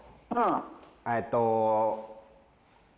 えっと。